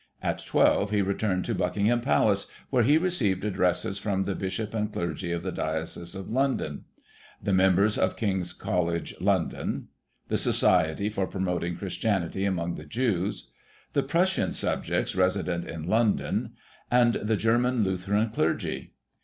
At 12 he returned to Buckingham Palace, where he received addresses from the Bishop and Clergy of the Digiti ized by Google 1842] DESTRUCTION OF LONDON. 181 Diocese of London ; the members of King's College, London ; the Society for Promoting Christianity among the Jews ; the Prussian subjects resident in London; and the German Lutheran clergy.